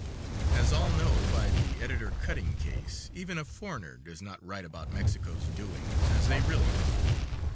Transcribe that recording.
As all know by the Editor Cutting case, even a foreigner does not write about Mexico's doings as they really are.